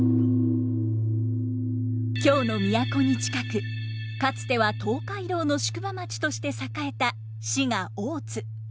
京の都に近くかつては東海道の宿場町として栄えた滋賀・大津。